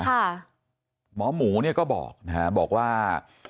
หมอหมูก็บอกบอกว่า